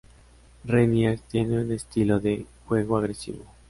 Renier tiene un estilo de juego agresivo.